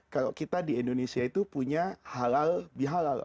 kalau kita di indonesia itu punya halal bihalal